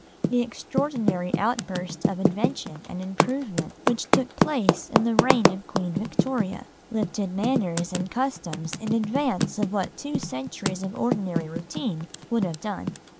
The extraordinary outburst of invention and improvement which took place in the reign of Queen Victoria, lifted manners and customs in advance of what two centuries of ordinary routine would have done.